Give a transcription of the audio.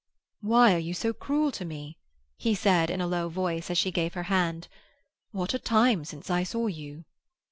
"Why are you so cruel to me?" he said in a low voice, as she gave her hand. "What a time since I saw you!"